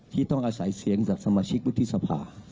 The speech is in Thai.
ที่ต้องอาศัยเสียงจากสมาชิกวุฒิสภา